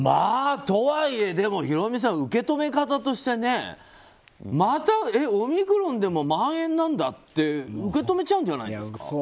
とはいえ、でもヒロミさん受け止め方としてまたオミクロンでもまん延なんだって受け止めちゃうんじゃないですか。